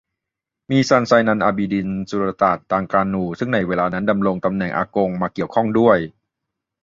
มีซัน ไซนัล อาบีดิน สุลต่านตรังกานู ซึ่งในเวลานั้นดำรงตำแหน่งอากงมาเกี่ยวข้องด้วย